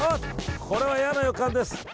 これは嫌な予感です。